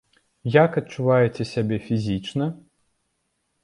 Як адчуваеце сябе фізічна?